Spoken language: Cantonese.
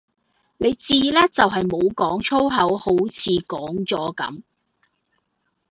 你至叻就系冇講粗口好似講咗噉